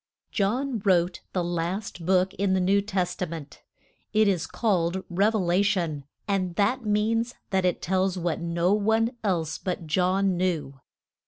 JOHN wrote the last book in the New Tes ta ment. It is called Rev e la tion; and that means that it tells what no one else but John knew.